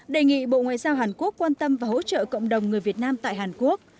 đề nghị bộ ngoại giao hàn quốc quan tâm và hỗ trợ cộng đồng người việt nam tại hàn quốc